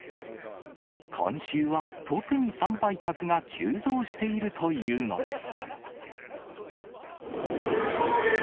今週は特に参拝客が急増しているというのです。